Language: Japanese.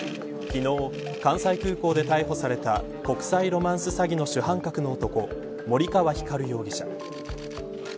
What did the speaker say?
昨日、関西空港で逮捕された国際ロマンス詐欺の主犯格の男森川光容疑者。